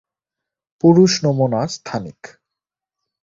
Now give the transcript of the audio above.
পুরুষ নমুনা স্থানিক।